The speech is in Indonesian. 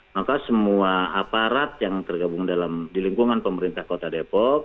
maka semua aparat yang tergabung dalam di lingkungan pemerintah kota depok